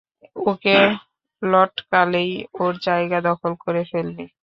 ওকে লটকালেই, ওর জায়গা দখল করে ফেলবি?